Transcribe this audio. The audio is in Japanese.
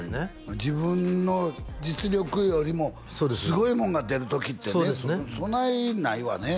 自分の実力よりもすごいもんが出る時ってねそないないわね